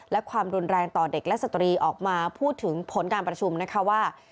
และความรุนแรงต่อเด็กและสตรีออกมาพูดถึงผลการประชุมนะคะว่า